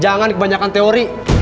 jangan kebanyakan teori